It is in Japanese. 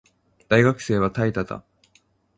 大学生は怠惰だ